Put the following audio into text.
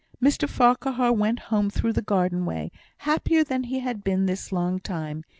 Mr Farquhar went home through the garden way, happier than he had been this long time.